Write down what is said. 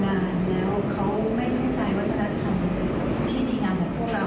เวลาที่เขาไม่ได้อยู่ในเวลานานแล้วเขาไม่เข้าใจวัฒนธรรมที่มีอย่างเหมือนพวกเรา